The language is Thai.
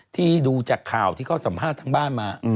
ที่ดูจากข่าวที่เขาสัมภาษณ์ทั้งบ้านมา